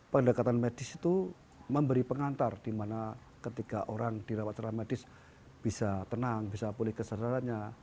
pendekatan medis itu memberi pengantar di mana ketika orang dirawat secara medis bisa tenang bisa pulih kesadarannya